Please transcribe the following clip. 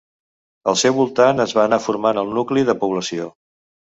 Al seu voltant es va anar format el nucli de població.